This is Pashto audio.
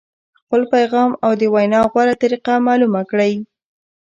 خپل پیغام او د وینا غوره طریقه معلومه کړئ.